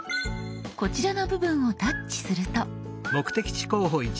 こちらの部分をタッチすると。